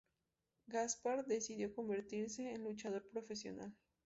Gaspard decidió convertirse en luchador profesional.